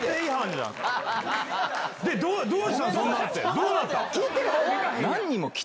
どうなった？